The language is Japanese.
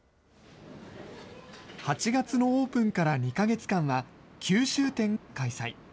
８月のオープンから２か月間は、キュウシュウ展を開催。